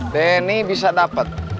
deni bisa dapat